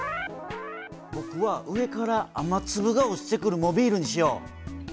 ぼくは上から雨つぶが落ちてくるモビールにしよう。